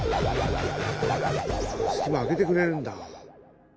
へえ隙間空けてくれるんだ。